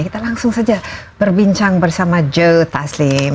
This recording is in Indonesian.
kita langsung saja berbincang bersama joe taslim